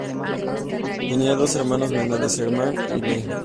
Tenía dos hermanos menores, Herman y Lee.